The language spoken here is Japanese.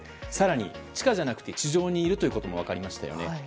更に地下じゃなくて地上にいることも分かりましたよね。